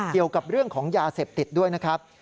เกี่ยวกับเรื่องของยาเสพติดด้วยนะครับ